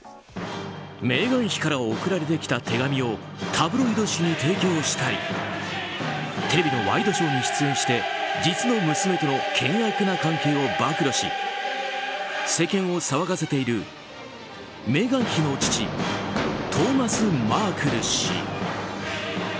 メーガン妃から送られてきた手紙をタブロイド紙に提供したりテレビのワイドショーに出演して実の娘との険悪な関係を暴露し世間を騒がせているメーガン妃の父トーマス・マークル氏。